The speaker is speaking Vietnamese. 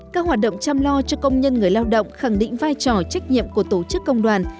các hoạt động chăm lo cho công nhân người lao động khẳng định vai trò trách nhiệm của tổ chức công đoàn